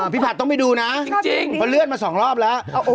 พี่ภัทรต้องไปดูนะเพราะเลื่อนมา๒รอบละ